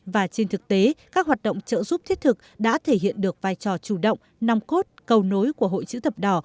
và trên thực tế các hoạt động trợ giúp thiết thực đã thể hiện được vai trò chủ động nòng cốt cầu nối của hội chữ thập đỏ